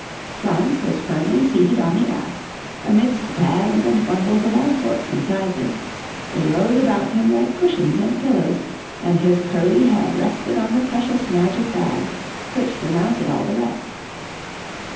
Franz was firmly seated on the ass, amidst bags and bundles of all sorts and sizes; they rose about him like cushions and pillows, and his curly head rested on the precious magic bag, which surmounted all the rest.